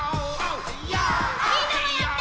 みんなもやって！